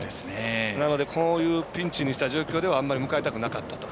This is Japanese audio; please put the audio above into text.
なので、こういうピンチにした状況ではあんまり迎えたくなかったと。